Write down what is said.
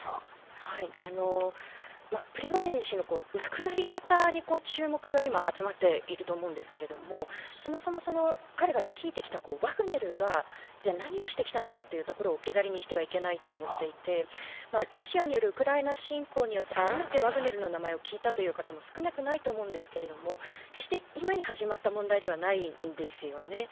プリゴジン氏の亡くなり方に注目が今、集まっていると思うんですがそもそも彼が率いてきたワグネルが何をしてきたのかというところを置き去りにしてはいけないと思っていてロシアによるウクライナ侵攻によって初めてワグネルの名前を聞いたという方も少なくないと思うんですが、決して今に始まった問題ではないんですよね。